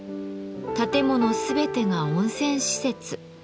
建物全てが温泉施設。